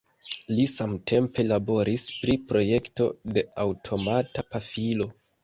Li samtempe laboris pri projekto de aŭtomata pafilo.